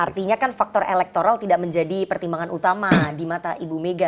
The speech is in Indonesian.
artinya kan faktor elektoral tidak menjadi pertimbangan utama di mata ibu mega